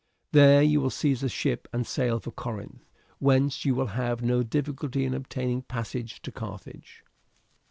There you will seize a ship and sail for Corinth, whence you will have no difficulty in obtaining passage to Carthage."